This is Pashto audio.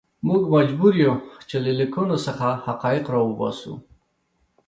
موږ مجبور یو چې له لیکنو څخه حقایق راوباسو.